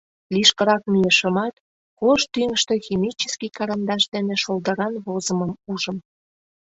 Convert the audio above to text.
Лишкырак мийышымат, кож тӱҥыштӧ химический карандаш дене шолдыран возымым ужым.